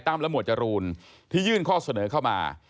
หมวดจรูนที่ยื่นข้อเสนอเข้ามา